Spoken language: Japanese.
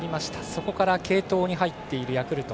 そこから継投に入っているヤクルト。